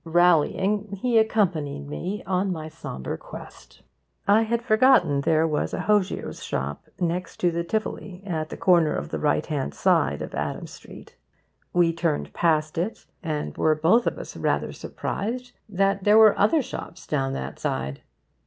Rallying, he accompanied me on my sombre quest. I had forgotten there was a hosier's shop next to the Tivoli, at the corner of the right hand side of Adam Street. We turned past it, and were both of us rather surprised that there were other shops down that side.